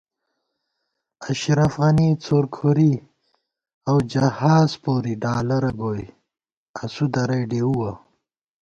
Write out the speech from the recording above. اشرف غنی څُرکھُری اؤ جہاز پوری ڈالرہ گوئی اسُو درَئی ڈېؤوَہ